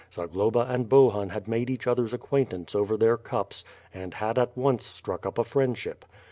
Zagloba and Bohun had made each other's acquaintance over their cups and had at once struck up a friendship.